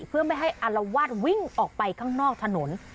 เพื่อไม่ให้อารวาสวิ่งออกไปข้างนอกถนน